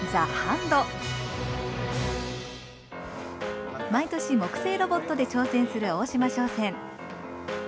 続いて毎年木製ロボットで挑戦する大島商船。